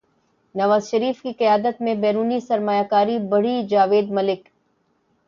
نواز شریف کی قیادت میں بیرونی سرمایہ کاری بڑھی جاوید ملک